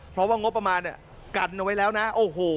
เพราะว่างบประมาณกันไว้แล้วนะโอ้โห